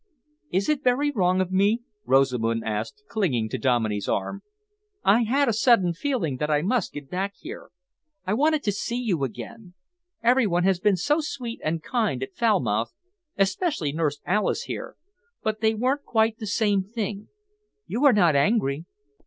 "Is it very wrong of me?" Rosamund asked, clinging to Dominey's arm. "I had a sudden feeling that I must get back here. I wanted to see you again. Every one has been so sweet and kind at Falmouth, especially Nurse Alice here, but they weren't quite the same thing. You are not angry?